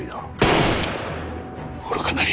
愚かなり。